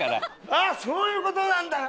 あっそういう事なんだ。